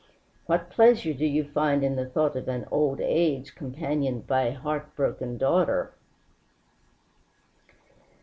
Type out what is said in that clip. What pleasure do you find in the thought of an old age companioned by a heart broken daughter?"